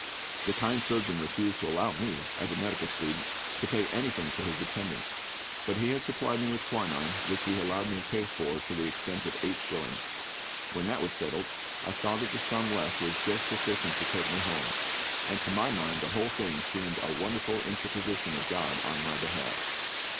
The kind surgeon refused to allow me, as a medical student, to pay anything for his attendance: but he had supplied me with quinine, which he allowed me to pay for to the extent of eight shillings. When that was settled, I saw that the sum left was just sufficient to take me home; and to my mind the whole thing seemed a wonderful interposition of GOD on my behalf.